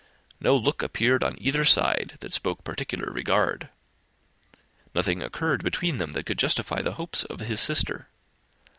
No look appeared on either side that spoke particular regard. Nothing occurred between them that could justify the hopes of his sister.